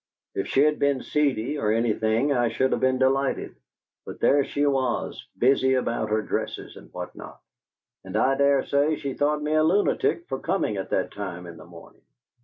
If she'd been seedy or anything I should have been delighted, but there she was, busy about her dresses and what not, and I dare say she thought me a lunatic for coming at that time in the morning.